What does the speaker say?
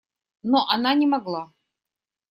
Но она не могла.